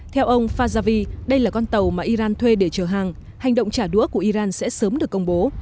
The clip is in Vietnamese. theo ông fajavi đây là con tàu mà iran thuê để chở hàng hành động trả đũa của iran sẽ sớm được công bố